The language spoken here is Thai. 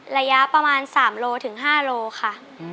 ระยะประมาณ๓โลถึง๕โลค่ะ